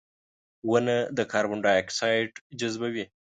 • ونه د کاربن ډای اکساید جذبوي.